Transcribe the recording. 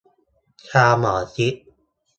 ชาวหมอชิต